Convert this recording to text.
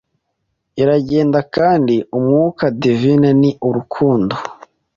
iragenda Kandi umwuka Divine ni Urukundo